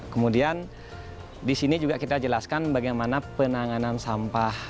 kemudian di sini juga kita jelaskan bagaimana penanganan sampah